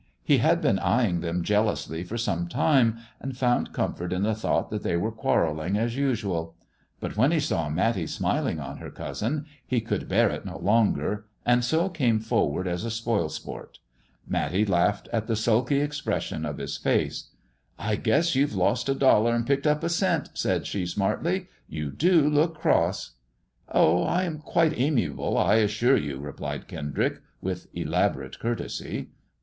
He had been eying them jealously for some time, and found comfort in the thought that they were quarrelling as usual ; but when he saw Matty smiling on her cousin, he could bear it no longer, and so came forward as a spoilsport Matty laughed at the sulky expression of his faca " I guess you've lost a dollar and picked up a cent," said she smartly. " You do look cross 1 " MISS JONATHAN 185 Oh, I am quite amiable, I assure you," replied Kendrick, with elaborate courtesy.